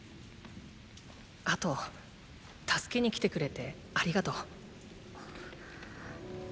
あと助けに来てくれてありがとう。